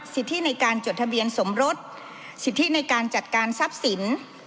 สิทธิในการจดทะเบียนสมรสสิทธิในการจัดการทรัพย์สิน